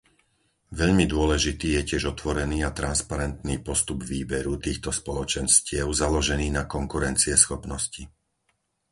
Veľmi dôležitý je tiež otvorený a transparentný postup výberu týchto spoločenstiev založený na konkurencieschopnosti.